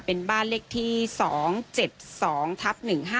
เป็นบ้านเลขที่๒๗๒ทับ๑๕